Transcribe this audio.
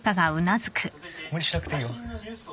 無理しなくていいよ。